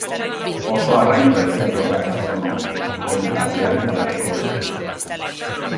Oso arrain preziatua da gastronomian, haren haragia jateko ona baita.